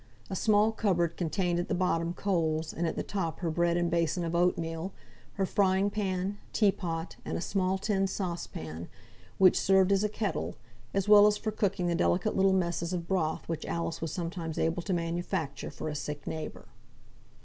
A small cupboard contained at the bottom coals, and at the top her bread and basin of oatmeal, her frying pan, tea pot, and a small tin saucepan, which served as a kettle, as well as for cooking the delicate little messes of broth which Alice sometimes was able to manufacture for a sick neighbour.